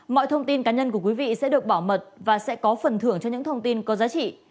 mọi thông tin cá nhân của quý vị sẽ được bảo mật và sẽ có phần thưởng cho những thông tin có giá trị